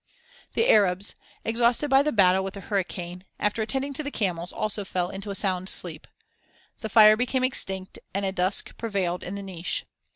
The Arabs, exhausted by the battle with the hurricane, after attending to the camels, also fell into a sound sleep. The fire became extinct and a dusk prevailed in the niche.